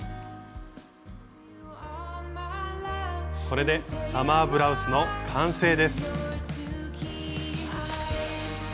これでサマーブラウスの完成です。